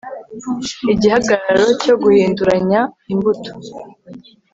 igihagararo cyo guhinduranya imbuto